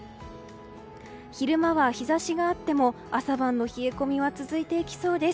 昼間は日差しがあっても朝晩の冷え込みは続いていきそうです。